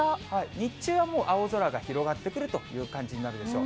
日中はもう青空が広がってくるという感じになるでしょう。